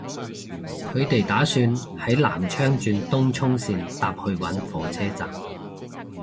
佢哋打算喺南昌轉東涌綫搭去搵火車站